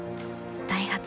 ダイハツ